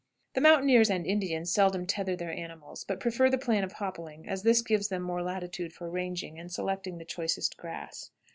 The mountaineers and Indians seldom tether their animals, but prefer the plan of hoppling, as this gives them more latitude for ranging and selecting the choicest grass.